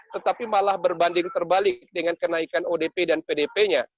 tetapi malah berbanding terbalik dengan kenaikan odp dan pdp nya